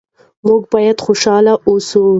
موږ باید خوشحاله اوسو.